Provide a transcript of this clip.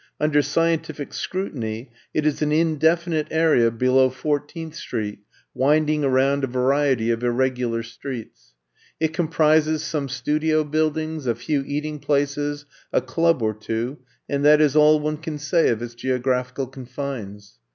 Under scientific scrutiny, it is an indefinite area below Fourteenth 3 4 I'VE COME TO STAY Street, winding around a variety of irregu lar streets. It comprises some studio buildings, a few eating places, a club or two, and that is all one can say of its geo graphical confines.